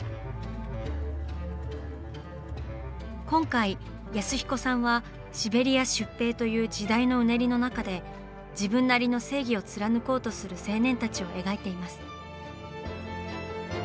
今回安彦さんは「シベリア出兵」という時代のうねりの中で自分なりの正義を貫こうとする青年たちを描いています。